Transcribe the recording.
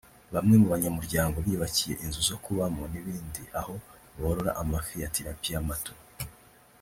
Bamwe mu banyamuryango biyubakiye inzu zo kubamo n’ibindi aho borora amafi ya tirapiya mato